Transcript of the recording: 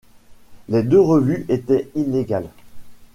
Les deux revues étaient illégales.